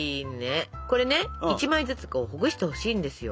これね１枚ずつほぐしてほしいんですよ。